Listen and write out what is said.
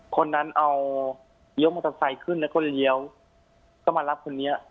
คนนั้นเอาเลี้ยวมอเตอร์ไซค์ขึ้นแล้วก็เลี้ยวก็มารับคนนี้